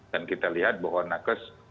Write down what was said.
dan kita lihat bahwa nakes